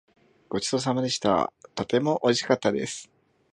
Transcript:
ごちそうさまでした。とてもおいしかったです。